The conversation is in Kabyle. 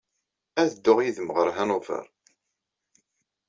Ad dduɣ yid-m ɣer Hanover.